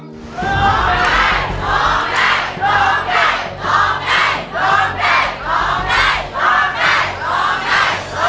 ร้องได้ร้องได้ร้องได้